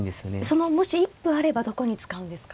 そのもし一歩あればどこに使うんですか？